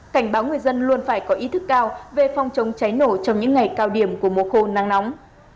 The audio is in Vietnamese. cảnh báo người dân luôn phải có ý thức cao về phòng chống cháy nổ trong những ngày cao điểm của mùa khô nắng nóng